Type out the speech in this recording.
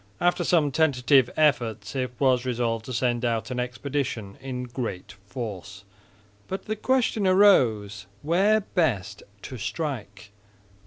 After some tentative efforts, it was resolved to send out an expedition in great force; but the question arose, where best to strike?